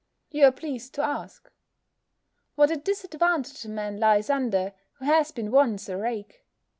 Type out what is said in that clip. you are pleased to ask. What a disadvantage a man lies under, who has been once a rake!